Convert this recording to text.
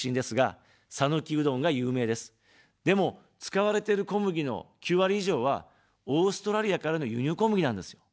でも、使われてる小麦の９割以上はオーストラリアからの輸入小麦なんですよ。